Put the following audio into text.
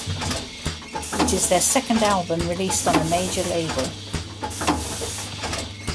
It is their second album released on a major label.